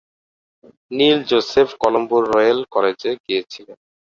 নীল Joseph কলম্বোর royal কলেজে গিয়েছিলেন।